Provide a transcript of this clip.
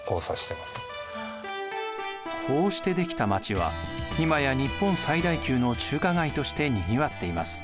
こうして出来た街は今や日本最大級の中華街としてにぎわっています。